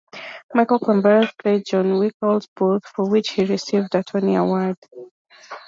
Michael Cerveris played John Wilkes Booth, for which he received a Tony Award.